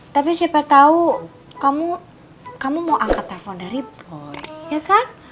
tapi siapa tau kamu mau angkat telfon dari boy ya kan